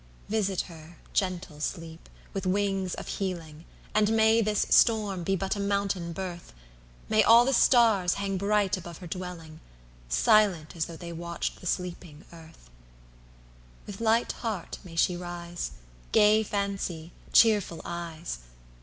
Visit her, gentle Sleep! with wings of healing, And may this storm be but a mountain birth, May all the stars hang bright above her dwelling, Silent as though they watched the sleeping Earth! With light heart may she rise, Gay fancy, cheerful eyes.